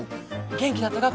元気だったか？